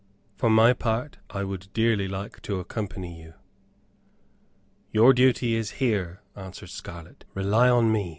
For my part, I would dearly like to accompany you." "Your duty is here," answered Scarlett. "Rely on me.